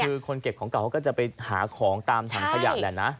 คือคนเก็บของเก่าเขาก็จะไปหาของตามถังขยะแหละนะ